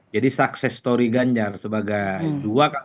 jadi sukses story ganjar sebagai dua